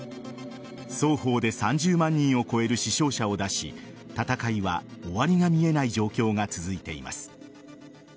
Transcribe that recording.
双方で３０万人を超える死傷者を出し戦いは、終わりが見えない状況が続いています。